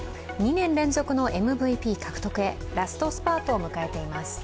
２年連続のＭＶＰ獲得へラストスパートを迎えています。